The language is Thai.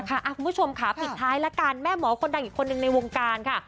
คุณผู้ชมค่ะปิดท้ายละกันแม่หมอคนดังอีกคนนึงในวงการค่ะ